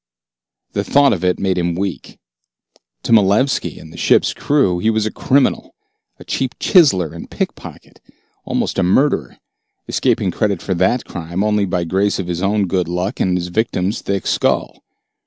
The thought of it made him weak. To Malevski and the ship's crew he was a criminal, a cheap chiseler and pickpocket, almost a murderer, escaping credit for that crime only by grace of his own good luck and his victim's thick skull.